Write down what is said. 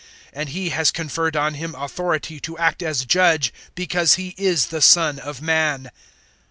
005:027 And He has conferred on Him authority to act as Judge, because He is the Son of Man.